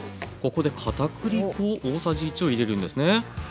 ここでかたくり粉大さじ１を入れるんですね。